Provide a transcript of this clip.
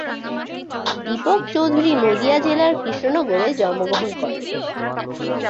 দীপক চৌধুরী নদীয়া জেলার কৃষ্ণনগরে জন্মগ্রহন করেন।